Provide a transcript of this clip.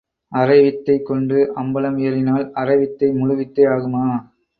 அரைவித்தை கொண்டு அம்பலம் ஏறினால் அரைவித்தை முழுவித்தை ஆகுமா?